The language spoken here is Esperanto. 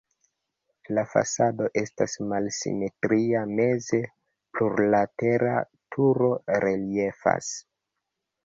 La fasado estas malsimetria, meze plurlatera turo reliefas.